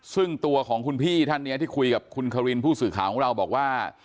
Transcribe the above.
ซึ่งตัวของคุณพี่ท่านนี้ที่คุยกับคุณคารินผู้สื่อข่าวของเราบอกว่า